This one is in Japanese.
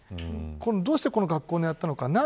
どうしてこの学校を狙ったのか。